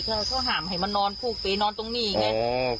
แล้วเขาห้ามให้มานอนผูกไปนอนตรงนี้ไง